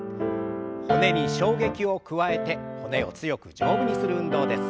骨に衝撃を加えて骨を強く丈夫にする運動です。